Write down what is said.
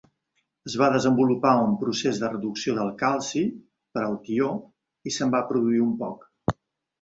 Es va desenvolupar un procés de reducció del calci per al tió, i se'n va produir un poc.